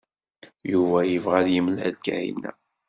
Yuba yebɣa ad yemlal Kahina.